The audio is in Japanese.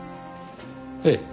ええ。